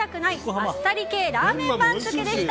あっさり系ラーメン番付でした。